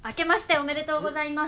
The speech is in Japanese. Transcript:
おめでとうございます。